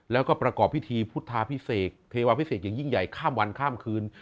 แล้วก็ประกอบพิธีพุทธาพิเศษเทวาพิเศษอย่างยิ่งใหญ่ข้ามวันข้ามคืน